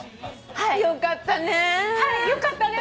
はいよかったです！